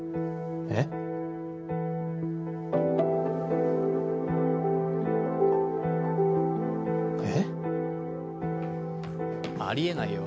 えっ？えっ！？あり得ないよ